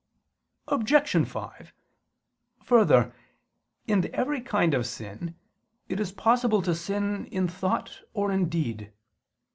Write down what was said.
Obj. 5: Further, in every kind of sin, it is possible to sin in thought or in deed.